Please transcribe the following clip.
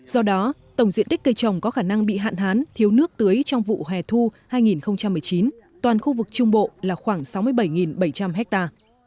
do đó tổng diện tích cây trồng có khả năng bị hạn hán thiếu nước tưới trong vụ hè thu hai nghìn một mươi chín toàn khu vực trung bộ là khoảng sáu mươi bảy bảy trăm linh ha